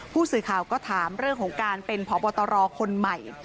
ผู้สื่อข่าวก็ถามเรื่องของการเป็นพบตรคนใหม่